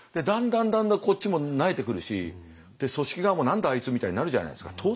だんだんだんだんこっちも萎えてくるし組織側も「何だあいつ」みたいになるじゃないですか。